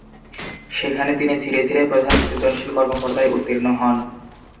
সেখানে তিনি ধীরে ধীরে প্রধান সৃজনশীল কর্মকর্তায় উত্তীর্ণ হন।